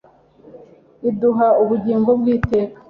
iduha ubugingo bw'iteka